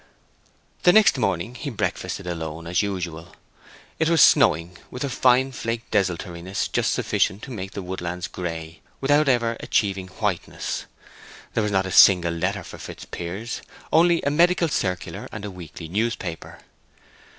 The next morning he breakfasted alone, as usual. It was snowing with a fine flaked desultoriness just sufficient to make the woodland gray, without ever achieving whiteness. There was not a single letter for Fitzpiers, only a medical circular and a weekly newspaper.